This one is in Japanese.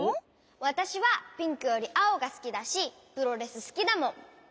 わたしはピンクよりあおがすきだしプロレスすきだもん！